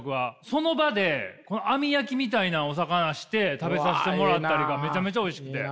その場で網焼きみたいなお魚して食べさしてもらったりがめちゃめちゃおいしくて。